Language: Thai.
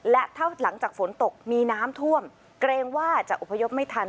และถ้าหลังจากฝนตกมีน้ำท่วมเกรงว่าจะอพยพไม่ทัน